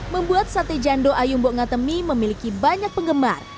membuat sate jandok ayumbo ngatemi memiliki banyak penggemar